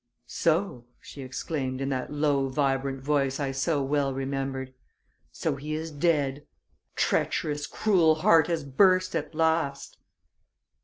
"So," she exclaimed, in that low, vibrant voice I so well remembered, "so he is dead! That treacherous, cruel heart has burst at last!"